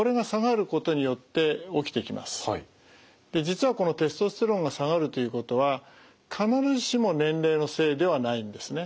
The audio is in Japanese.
実はこのテストステロンが下がるということは必ずしも年齢のせいではないんですね。